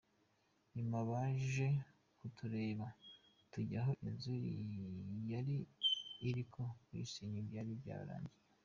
Nyuma baje kutureka tujya aho inzu yari iri ariko kuyisenya byari bayrangiye.